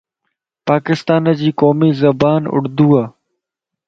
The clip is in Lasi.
پاڪستانَ جي قومي زبان اردو ءَ.